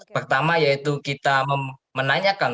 pertama yaitu kita menanyakan